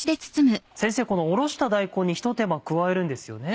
先生おろした大根にひと手間加えるんですよね？